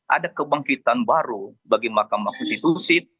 ada kebangkitan baru bagi mahkamah konstitusi